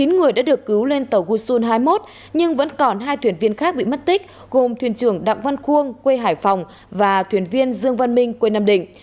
chín người đã được cứu lên tàu uson hai mươi một nhưng vẫn còn hai thuyền viên khác bị mất tích gồm thuyền trưởng đặng văn khuôn quê hải phòng và thuyền viên dương văn minh quê nam định